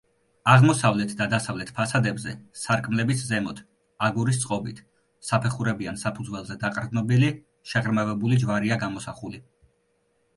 აღმოსავლეთ და დასავლეთ ფასადებზე, სარკმლების ზემოთ, აგურის წყობით, საფეხურებიან საფუძველზე დაყრდნობილი, შეღრმავებული ჯვარია გამოსახული.